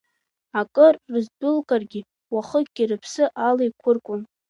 Акыр рыздәылгаргьы, уахакгьы рыԥсы алеиқәыркуан.